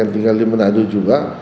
tinggal di manado juga